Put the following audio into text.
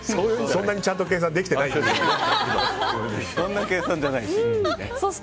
そんなにちゃんと計算できてないし。